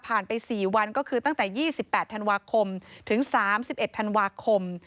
ไป๔วันก็คือตั้งแต่๒๘ธันวาคมถึง๓๑ธันวาคม